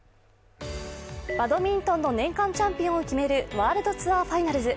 バドミントンの年間チャンピオンを決めるワールドツアーファイナルズ。